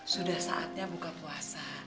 sudah saatnya buka puasa